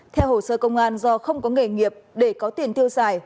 theo hồ sơ công an do không có nghề nghiệp để có tiền tiêu xài